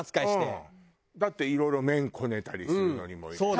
だっていろいろ麺こねたりするのにも入れるしさ。